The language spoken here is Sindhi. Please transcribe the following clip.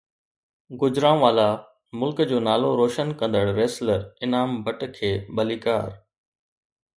گوجرانوالا ملڪ جو نالو روشن ڪندڙ ریسلر انعام بٽ کي ڀليڪار